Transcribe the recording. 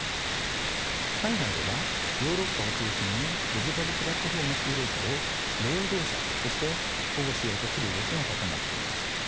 海外ではヨーロッパを中心にデジタルプラットフォーム就労者を労働者として保護しようとする動きが高まっています。